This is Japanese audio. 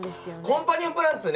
コンパニオンプランツね。